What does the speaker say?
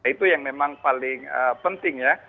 itu yang memang paling penting ya